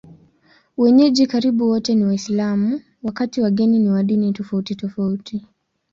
Wenyeji karibu wote ni Waislamu, wakati wageni ni wa dini tofautitofauti.